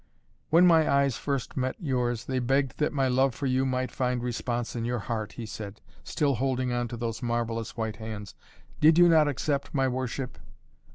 "When my eyes first met yours they begged that my love for you might find response in your heart," he said, still holding on to those marvellous white hands. "Did you not accept my worship?"